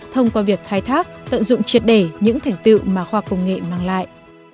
thông qua việc khai thác tận dụng triệt để những thành tựu mà khoa công nghệ mang lại